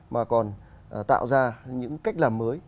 mà còn tạo ra những cách làm mới